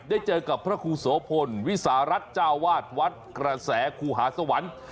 ได้เจอกับพระครูโสพลวิสารัฐเจ้าวาดวัดกระแสครูหาสวรรค์